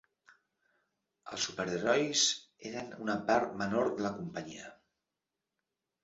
Els superherois eren una part menor de la companyia.